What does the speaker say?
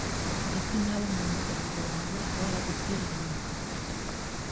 ndetse n’abo mu muryango wawe baragutereranaga